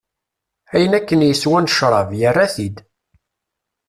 Ayen akken yeswa n ccrab, yerra-t-id.